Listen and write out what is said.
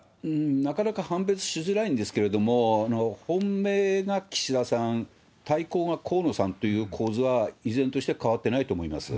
なかなか判別しづらいんですけれども、本命が岸田さん、対抗が河野さんという構図は依然として変わってないと思います。